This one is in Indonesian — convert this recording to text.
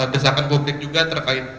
desakan publik juga terkait